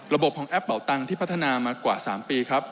ระบบของแอปเป่าตังค์ที่พัฒนามากว่า๓ปีครับ